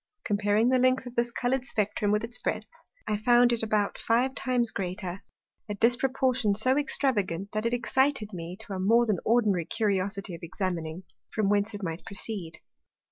Comparing the length of this colour'd Spectrum with its breadth, I found it about five times greater; a disproportion so extravagant, that it excited me to a more than ordinary Curiosity of examining, from whence it might proceed.